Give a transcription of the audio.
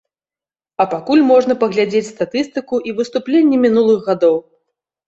А пакуль можна паглядзець статыстыку і выступленні мінулых гадоў.